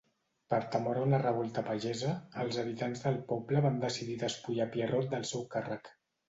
Per temor a una revolta pagesa, els habitants del poble van decidir despullar a Pierrot del seu càrrec.